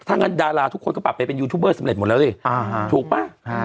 ถ้างั้นดาราทุกคนก็ปรับไปเป็นยูทูบเบอร์สำเร็จหมดแล้วสิถูกป่ะ